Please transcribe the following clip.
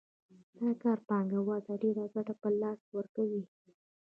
دا کار پانګوال ته ډېره ګټه په لاس ورکوي